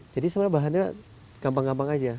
jadi sebenarnya bahannya gampang gampang aja